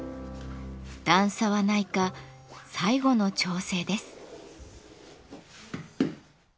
段差はないか最後の調整です。